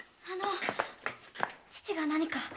あの父が何か？